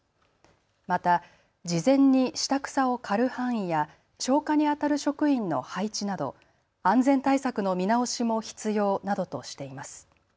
また、事前に下草を刈る範囲や消火にあたる職員の配置など安全対策の見直しも必要などとしています。